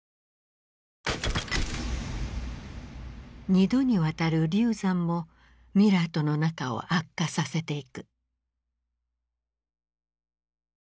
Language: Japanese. ２度にわたる流産もミラーとの仲を悪化させていく。